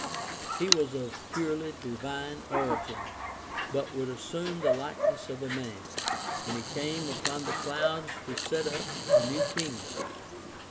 He was of purely divine origin but would assume the likeness of a man (cf . Dan. 7 : 13) when he came upon the clouds to set up the new kingdom.